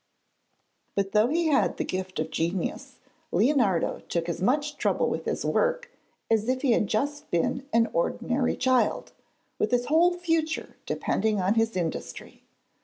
But though he had the gift of genius, Leonardo took as much trouble with his work as if he had just been an ordinary child, with his whole future life depending on his industry.